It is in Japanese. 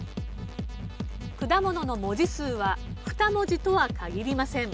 果物の文字数は２文字とは限りません。